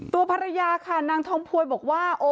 ตัวภรรยาค่ะนางทองพวยบอกว่า